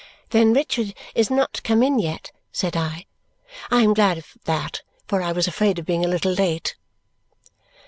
"Then Richard is not come in yet?" said I. "I am glad of that, for I was afraid of being a little late."